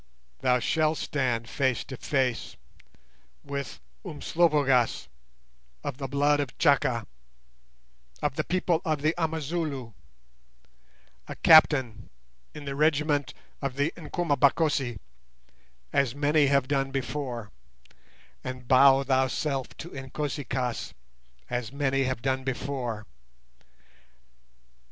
"Thou shalt stand face to face with Umslopogaas, of the blood of Chaka, of the people of the Amazulu, a captain in the regiment of the Nkomabakosi, as many have done before, and bow thyself to Inkosi kaas, as many have done before.